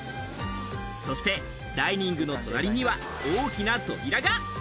そしてダイニングの隣には大きな扉が。